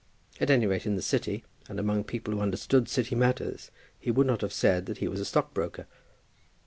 At any rate in the City, and among people who understood City matters, he would not have said that he was a stockbroker.